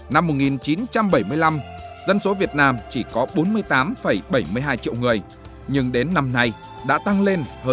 năm một nghìn chín trăm bảy mươi năm dân số việt nam chỉ có bốn mươi tám bảy mươi hai triệu người nhưng đến năm nay đã tăng lên hơn